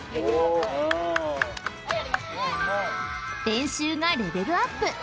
［練習がレベルアップ］